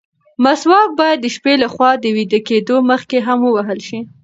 مسواک باید د شپې له خوا د ویده کېدو مخکې هم ووهل شي.